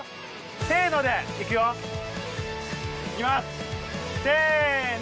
せのでいくよ！いきます！せの！